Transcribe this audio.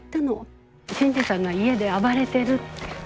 新次さんが家で暴れてるって。